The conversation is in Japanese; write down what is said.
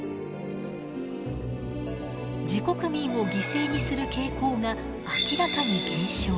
自国民を犠牲にする傾向が明らかに減少。